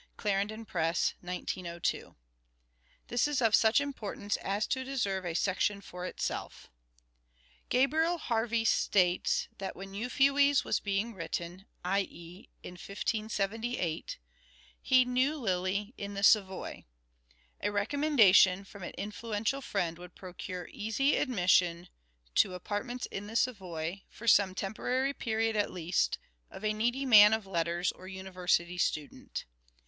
Clarendon Press, 1902). This is of such importance as to deserve a section for itself. " Gabriel Harvey (states) that when ' Euphues ' was being written, i.e. in 1578, he knew Lyly in the Savoy. ... A recommendation from an influential friend would procure easy admission (to apartments in the Savoy) for some temporary period at least, of a needy man of letters or university student